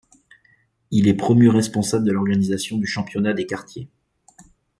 Il est promu responsable de l'organisation du championnat des quartiers.